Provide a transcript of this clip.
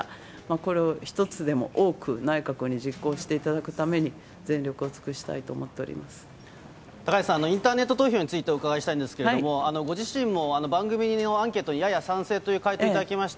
これを一つでも多く、内閣に実行していただくために、全力を尽くしたいと思っておりま高市さん、インターネット投票について、お伺いしたいんですけれども、ご自身も番組のアンケートにやや賛成という回答いただきました。